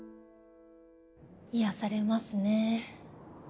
癒やされますね。